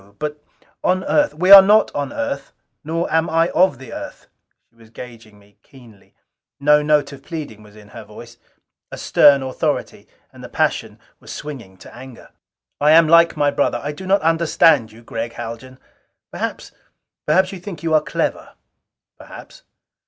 But on Earth " "We are not on Earth. Nor am I of the Earth!" She was gauging me keenly. No note of pleading was in her voice: a stern authority, and the passion was swinging to anger. "I am like my brother: I do not understand you, Gregg Haljan. Perhaps you think you are clever?" "Perhaps."